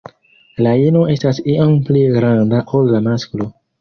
La ino estas iom pli granda ol la masklo.